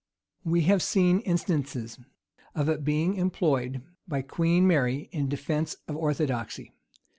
We have seen instances of its being employed by Queen Mary in defence of orthodoxy.